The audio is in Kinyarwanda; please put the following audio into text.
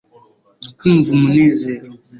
kumva umunezero